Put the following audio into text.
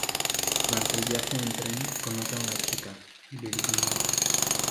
Durante el viaje en tren, conoce a una chica, Virginia.